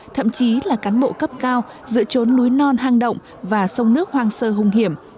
thậm chí là cán bộ cấp cao giữa trốn núi non hang động và sông nước hoang sơ hung hiểm